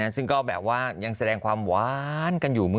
ซึ่งก็แบบว่ายังแสดงความหวานกันอยู่